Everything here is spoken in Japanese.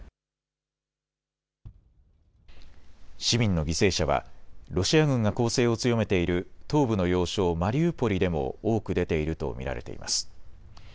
市民の犠牲者はロシア軍が攻勢を強めている東部の要衝マリウポリでも多く出ていると見られています。